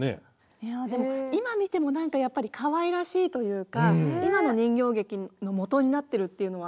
いやでも今見ても何かやっぱりかわいらしいというか今の人形劇のもとになってるっていうのは。